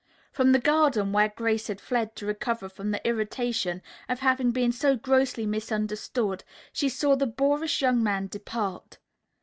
From the garden, where Grace had fled to recover from the irritation of having been so grossly misunderstood, she saw the boorish young man depart.